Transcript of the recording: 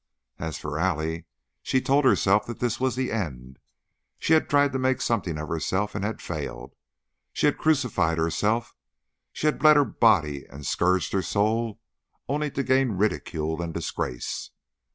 As for Allie, she told herself that this was the end. She had tried to make something of herself and had failed. She had crucified herself; she had bled her body and scourged her soul only to gain ridicule and disgrace.